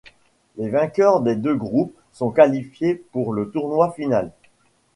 Les vainqueurs des deux groupes sont qualifiés pour le tournoi final.